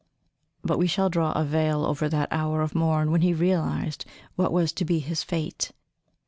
But we shall draw a veil over that hour of morn when he realized what was to be his fate.